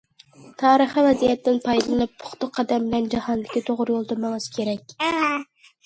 تارىخىي ۋەزىيەتتىن پايدىلىنىپ پۇختا قەدەم بىلەن جاھاندىكى توغرا يولدا مېڭىش كېرەك.